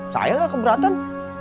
saya nggak keberatan